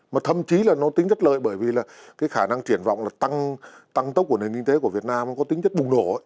mà thậm chí là nó tính rất lợi bởi vì là cái khả năng triển vọng là tăng tốc của nền kinh tế của việt nam có tính chất bùng nổ